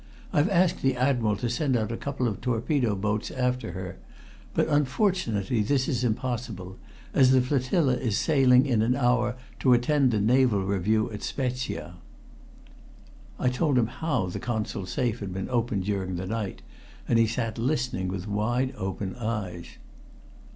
I've asked the Admiral to send out a couple of torpedo boats after her, but, unfortunately, this is impossible, as the flotilla is sailing in an hour to attend the naval review at Spezia." I told him how the Consul's safe had been opened during the night, and he sat listening with wide open eyes.